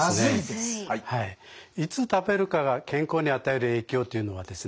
いつ食べるかが健康に与える影響というのはですね